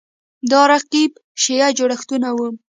دا رقیب شیعه جوړښتونه وو